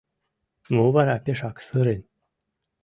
Мо вара пешак сырен?»